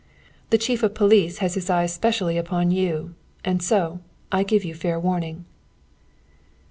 "The chief of police has his eyes specially upon you, and so, I give you a fair warning."